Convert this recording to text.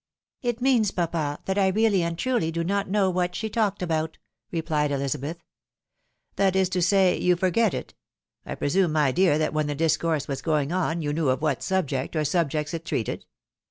" It means, papa, that I really and truly do not know what she talked about," replied Elizabeth. " That is to say, you forget it. I presume, my dear, that when the discourse was going on, you knew of what subject, or subjects, it treated?